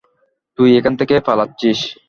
তুই এখান থেকে পালাচ্ছিস।